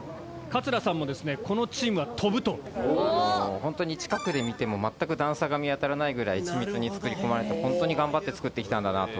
・ほんとに近くで見ても全く段差が見当たらないぐらい緻密に作り込まれてほんとに頑張って作ってきたんだなと。